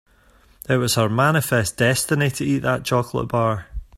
It was her manifest destiny to eat that chocolate bar.